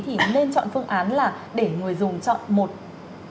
thì nên chọn phương án là để người dùng chọn một